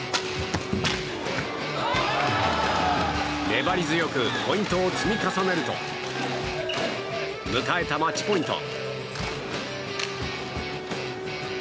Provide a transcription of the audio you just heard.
粘り強くポイントを積み重ねると迎えたマッチポイント。